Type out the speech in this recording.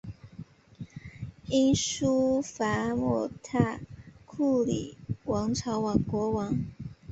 鸯输伐摩塔库里王朝国王。